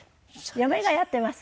嫁がやってます。